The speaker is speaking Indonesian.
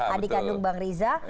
adik kandung bang riza